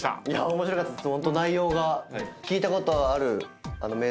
面白かったです。